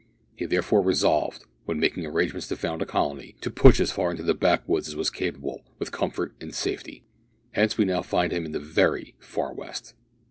He therefore resolved, when making arrangements to found a colony, to push as far into the backwoods as was compatible with comfort and safety. Hence we now find him in the very far West.